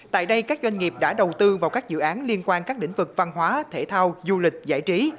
tại đây các doanh nghiệp đã đầu tư vào các dự án liên quan các lĩnh vực văn hóa thể thao du lịch giải trí